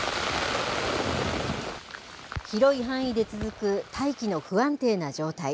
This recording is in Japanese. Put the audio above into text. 広い範囲で続く大気の不安定な状態。